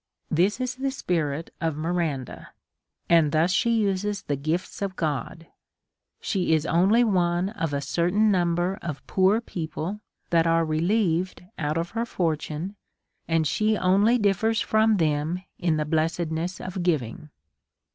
This is the spirit of Miranda, and thus she uses the g"ifts of God ; she is only one of a certain number of poor people that are relieved out of her fortune, and she only differs from them in the blessedness of giving.